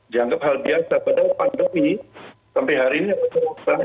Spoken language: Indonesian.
dianggap hal biasa padahal pandemi sampai hari ini